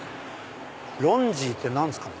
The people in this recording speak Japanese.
ロンジーって何ですかね？